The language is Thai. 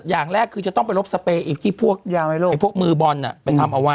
อย่างแรกคือจะต้องไปลบสเปรย์อีกที่พวกมือบอลไปทำเอาไว้